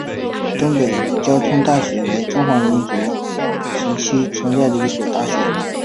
东北交通大学为中华民国时期存在的一所大学。